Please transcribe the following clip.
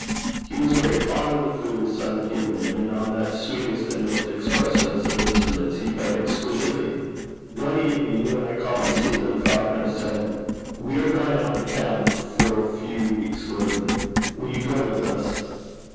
He was very fond of the flute his son had given him, and on that sweetest and most expressionless of instruments he played exquisitely. One evening when I called to see them, Falconer said, 'We are going out of town for a few weeks, Gordon: will you go with us?'